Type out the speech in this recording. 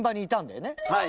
はい。